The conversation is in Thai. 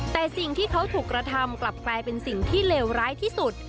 แต่สิ่งที่เขาถูกกระทำกลับกลายเป็นสิ่งที่เลวร้ายที่สุด